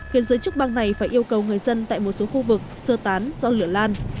khiến giới chức bang này phải yêu cầu người dân tại một số khu vực sơ tán do lửa lan